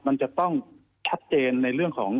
มันจะต้องชัดเจนในเรื่องของ